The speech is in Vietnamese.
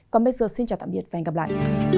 còn bây giờ xin chào tạm biệt và hẹn gặp lại